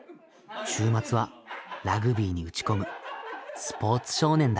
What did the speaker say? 週末はラグビーに打ち込むスポーツ少年だ。